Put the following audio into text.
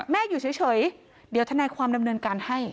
อยู่เฉยเดี๋ยวทนายความดำเนินการให้